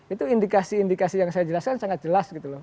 itu indikasi indikasi yang saya jelaskan sangat jelas gitu loh